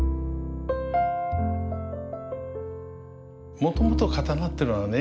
もともと刀ってのはね